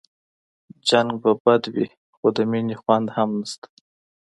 جنګ به بد وي خو د مينې خوند هم نشته